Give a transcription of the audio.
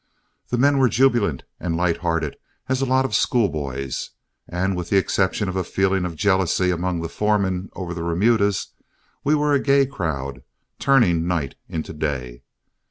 The men were jubilant and light hearted as a lot of school boys, and with the exception of a feeling of jealousy among the foremen over the remudas, we were a gay crowd, turning night into day.